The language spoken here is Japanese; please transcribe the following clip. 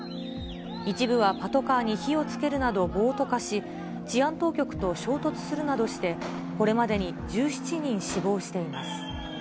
一部はパトカーに火をつけるなど暴徒化し、治安当局と衝突するなどして、これまでに１７人死亡しています。